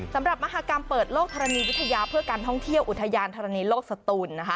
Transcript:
มหากรรมเปิดโลกธรณีวิทยาเพื่อการท่องเที่ยวอุทยานธรณีโลกสตูนนะคะ